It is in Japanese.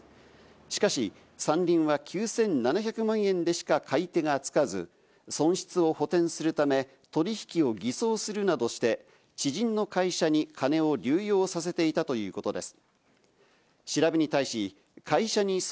しかし、山林は９７００万円でしか買い手が付かず、損失を補填するため、取引を偽装するなどして、知人の会社に金を流用させていたということです。